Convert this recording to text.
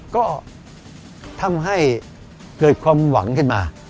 ก็ทำให้เกิดความหวังขึ้นมา